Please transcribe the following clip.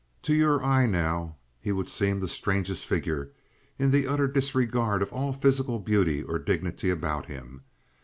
To your eye, now, he would seem the strangest figure, in the utter disregard of all physical beauty or dignity about him.